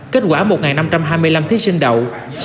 kết quả một năm trăm hai mươi năm thí sinh đậu